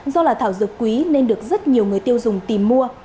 do là thảo dược quý nên được rất nhiều người tiêu dùng tìm mua